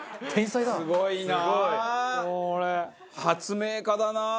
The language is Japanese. すごいな。